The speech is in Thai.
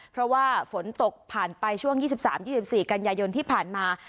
เพราะว่าฝนตกผ่านไปช่วง๒๓๒๔กันยายนที่ผ่านมา